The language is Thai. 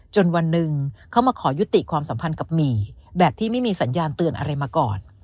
วันหนึ่งเขามาขอยุติความสัมพันธ์กับหมี่แบบที่ไม่มีสัญญาณเตือนอะไรมาก่อน